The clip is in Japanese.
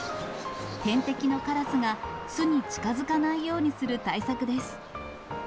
天敵のカラスが巣に近づかないようにする対策です。